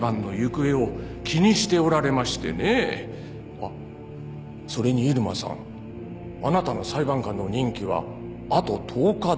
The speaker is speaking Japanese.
あっそれに入間さんあなたの裁判官の任期はあと１０日だ。